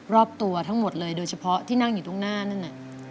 รอบตัวทั้งหมดเลยโดยเฉพาะที่นั่งอยู่ตรงหน้านั่นน่ะ